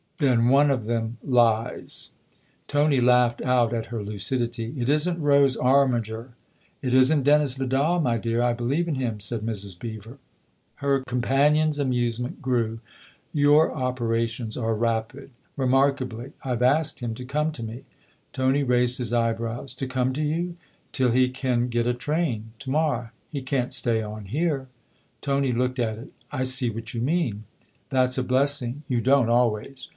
"Then one of them lies." 86 THE OTHER HOUSE Tony laughed out at her lucidity. " It isn't Rose Armiger !"" It isn't Dennis Vidal, my dear ; I believe in him," said Mrs. Beever. Her companion's amusement grew. " Your opera tions are rapid." " Remarkably. I've asked him to come to me." Tony raised his eyebrows. " To come to you ?"" Till he can get a train to morrow. He can't stay on here." Tony looked at it. " I see what you mean." " That's a blessing you don't always